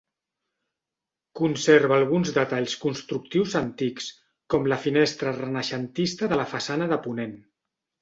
Conserva alguns detalls constructius antics, com la finestra renaixentista de la façana de ponent.